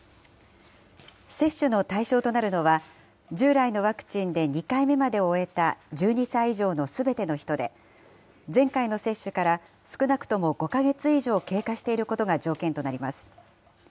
接種の対象となるのは、従来のワクチンで２回目までを終えた１２歳以上のすべての人で、前回の接種から少なくとも５か月以上経過していることが条件となります。